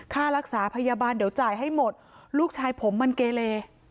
ค่ารักษาพยาบาลเดี๋ยวจ่ายให้หมดลูกชายผมมันเกเล